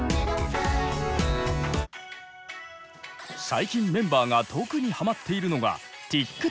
最近メンバーが特にハマっているのがＴｉｋＴｏｋ。